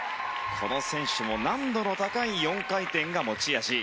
この選手も難度の高い４回転が持ち味。